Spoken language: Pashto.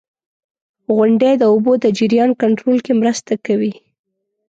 • غونډۍ د اوبو د جریان کنټرول کې مرسته کوي.